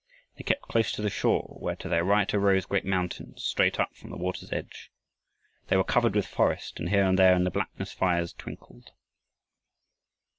They kept close to the shore, where to their right arose great mountains straight up from the water's edge. They were covered with forest, and here and there in the blackness fires twinkled.